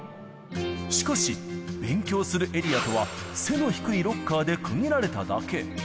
しかし、勉強するエリアとは背の低いロッカーで区切られただけ。